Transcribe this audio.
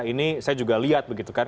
ini saya juga lihat begitu kan